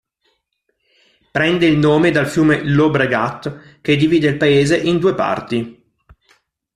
Prende il nome dal fiume Llobregat che divide il paese in due parti.